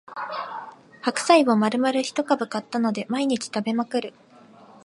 白菜をまるまる一株買ったので毎日食べまくる